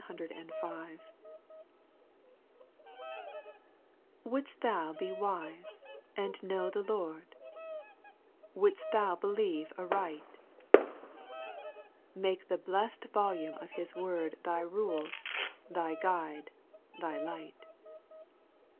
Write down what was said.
IITOULD'ST thou be wise, and know the T f Lord ? Would'st thou believe aright ? Make the blest volume of His word Thy rule, thy guide, thy light.